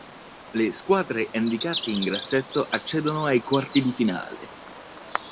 Le squadre indicate in grassetto accedono ai quarti di finale.